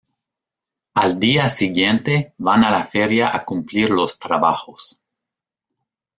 Al día siguiente, van a la feria a cumplir los trabajos.